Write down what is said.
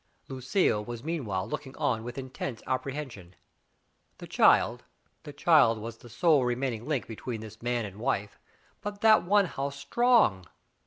Lucille was meanwhile looking on with intense apprehension. The child — the child was the sole remaining link between this man and wife, but that one how strong!